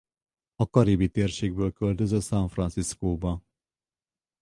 A karibi térségből költözött San Franciscóba.